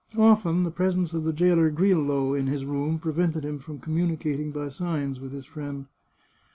Often the presence of the jailer Grillo in his room prevented him from communicating by signs with his friend.